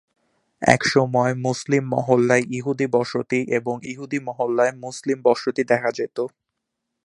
এসময় মুসলিম মহল্লায় ইহুদি বসতি এবং ইহুদি মহল্লায় মুসলিম বসতি দেখা যেত।